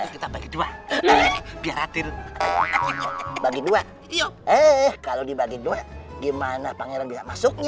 kita baik dua ya bagi dua iya eh kalau dibagi dua gimana pangeran bisa masuknya